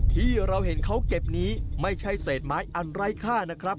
ที่เราเห็นเขาเก็บนี้ไม่ใช่เศษไม้อันไร้ค่านะครับ